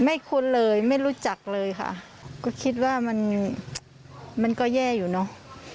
คุ้นเลยไม่รู้จักเลยค่ะก็คิดว่ามันมันก็แย่อยู่เนอะ